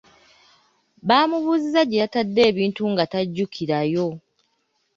Bamubuuzizza gye yatadde ebintu nga tajjukirayo.